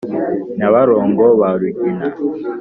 Nyabarongo ba Rugina.